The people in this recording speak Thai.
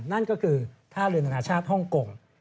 นั่นก็คือท่าเรือนานาชาติฮ่องกง